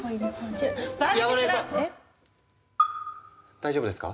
大丈夫ですか？